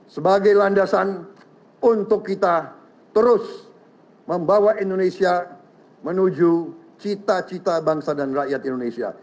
sebagai landasan untuk kita terus membawa indonesia menuju cita cita bangsa dan rakyat indonesia